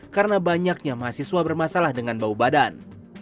karena banyaknya mahasiswa bermasalah dengan bau badan